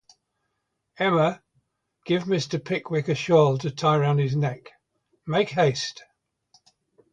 Emma, give Mr. Pickwick a shawl to tie round his neck — make haste.